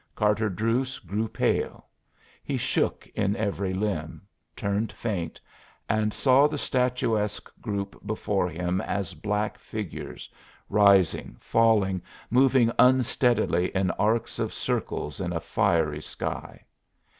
Carter Druse grew pale; he shook in every limb, turned faint, and saw the statuesque group before him as black figures, rising, falling, moving unsteadily in arcs of circles in a fiery sky.